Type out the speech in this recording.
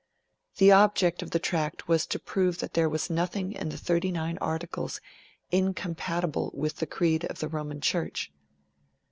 The object of the Tract was to prove that there was nothing in the Thirty nine Articles incompatible with the creed of the Roman Church.